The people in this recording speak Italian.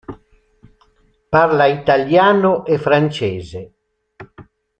Parla italiano e francese.